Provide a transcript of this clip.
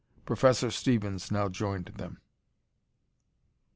Professor Stevens now joined them.